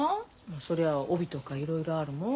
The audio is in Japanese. そりゃあ帯とかいろいろあるもん。